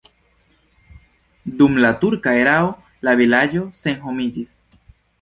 Dum la turka erao la vilaĝo senhomiĝis.